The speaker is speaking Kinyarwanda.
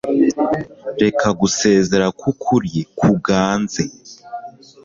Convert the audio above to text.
Reka gusezera kwukuri kuganze